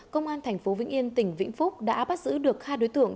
công an tp vĩnh yên tỉnh vĩnh phúc đã bắt giữ được hai đối tượng